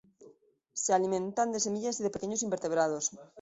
Se alimentan de semillas y de pequeños invertebrados.